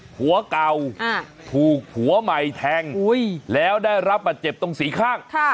ผัวเก่าถูกผัวใหม่แทงแล้วได้รับบาดเจ็บตรงสีข้าง